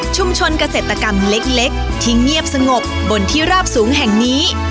เกษตรกรรมเล็กที่เงียบสงบบนที่ราบสูงแห่งนี้